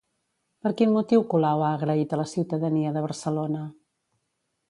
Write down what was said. Per quin motiu Colau ha agraït a la ciutadania de Barcelona?